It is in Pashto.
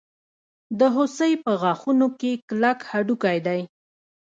د هوسۍ په غاښونو کې کلک هډوکی دی.